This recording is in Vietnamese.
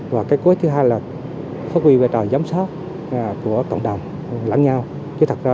và cái cuối thứ hai là phát huy về trò giám sát của cộng đồng lãng nhau